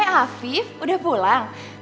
eh afif udah pulang